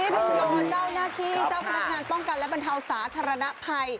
ไปรอเจ้าหน้าที่เจ้าพนักงานป้องกันและบรรเทาสาธารณภัย